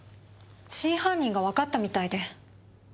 真犯人がわかったみたいで。